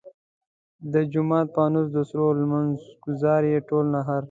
د جومات فانوس د سرو لمونځ ګزار ئې ټول نهر !